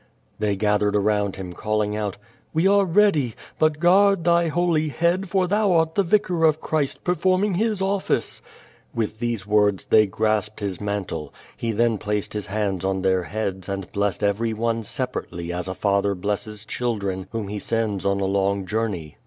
They gathered around him, calling out: "We are ready, but guard thy holy head for thou art the Vicar of Christ, per forming his office." AVith these words they grasped his man tle. He then placed his hands on their heads and blessed every one separately as a father blesses children whom he sends on a long journey.